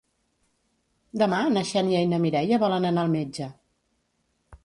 Demà na Xènia i na Mireia volen anar al metge.